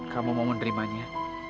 kamu mau menerimanya